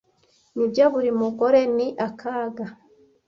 nibyo buri mugore ni akaga